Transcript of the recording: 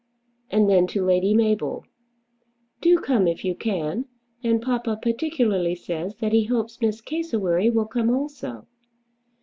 And then to Lady Mabel: "Do come if you can; and papa particularly says that he hopes Miss Cassewary will come also."